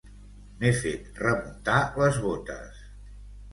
M'he fet remuntar les botes.